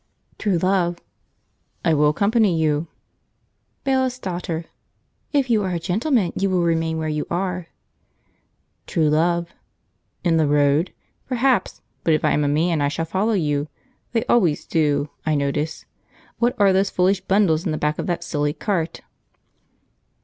True Love. "I will accompany you." Bailiff's Daughter. "If you are a gentleman you will remain where you are." True Love. "In the road? Perhaps; but if I am a man I shall follow you; they always do, I notice. What are those foolish bundles in the back of that silly cart?"